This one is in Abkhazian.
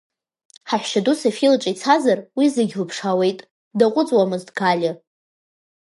Ҳаҳәшьаду Софиа лҿы ицазар, уи зегьы лыԥшаауеит, даҟәыҵуамызт Галиа.